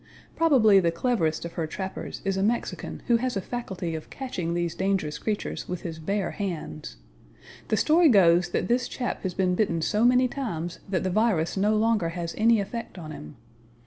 Probably the cleverest of her trappers is a Mexican who has a faculty of catching these dangerous creatures with his bare hands. The story goes that this chap has been bitten so many times that the virus no longer has any effect on him.